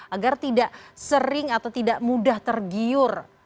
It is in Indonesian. agar tidak sering atau tidak mudah tergiur